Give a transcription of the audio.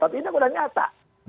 tapi ini sudah nyata